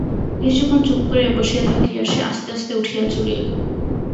কিছুক্ষণ চুপ করিয়া বসিয়া থাকিয়া সে আস্তে আস্তে উঠিয়া চলিয়া গেল।